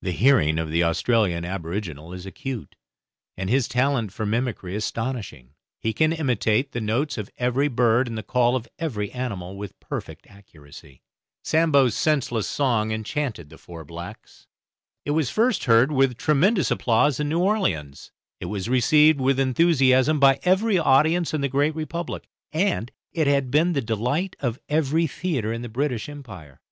The hearing of the Australian aboriginal is acute, and his talent for mimicry astonishing; he can imitate the notes of every bird and the call of every animal with perfect accuracy. Sambo's senseless song enchanted the four blacks. It was first heard with tremendous applause in New Orleans, it was received with enthusiasm by every audience in the Great Republic, and it had been the delight of every theatre in the British Empire.